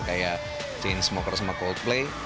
kayak teen smokers sama coldplay